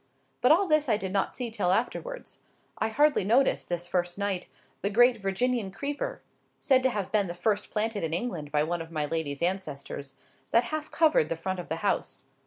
But all this I did not see till afterwards. I hardly noticed, this first night, the great Virginian Creeper (said to have been the first planted in England by one of my lady's ancestors) that half covered the front of the house.